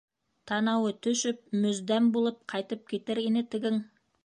Танауы төшөп, мөз-дәм булып ҡайтып китер ине тегең.